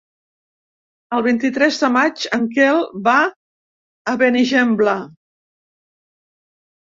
El vint-i-tres de maig en Quel va a Benigembla.